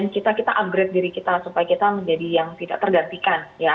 kita upgrade diri kita supaya kita menjadi yang tidak tergantikan